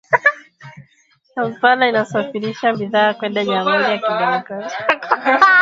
Kampala inasafirisha bidhaa kwenda jamhuri ya kidemokrasia ya Kongo